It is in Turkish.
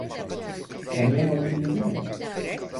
Tanıyamadım dedim ya!